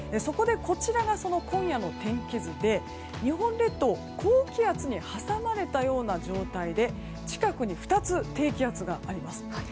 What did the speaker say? こちらが今夜の天気図で日本列島高気圧に挟まれたような状態で近くに、２つ低気圧があります。